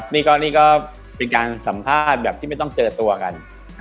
นี่ก็เป็นการสัมภาพที่ไม่ต้องเจอตัวกัน